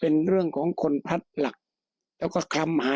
ก็เป็นเรื่องของความศรัทธาเป็นการสร้างขวัญและกำลังใจ